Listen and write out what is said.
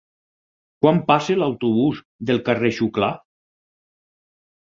Quan passa l'autobús pel carrer Xuclà?